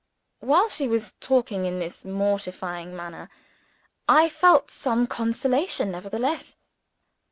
While she was talking in this mortifying manner, I felt some consolation nevertheless.